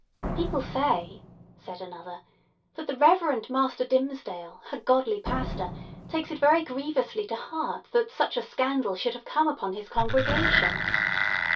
"People say," said another, "that the Reverend Master Dimmesdale, her godly pastor, takes it very grievously to heart that such a scandal should have come upon his congregation."